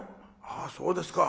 「あそうですか。